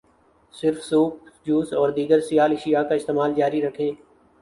صرف soup, juice, اور دیگر سیال اشیاء کا استعمال جاری رکھیں۔